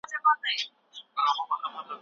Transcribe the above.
که مخکي ولاړ نه سې نو شاته به پاته سې.